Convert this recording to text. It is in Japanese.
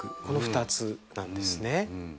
この２つなんですね。